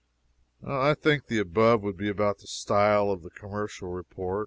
I think the above would be about the style of the commercial report.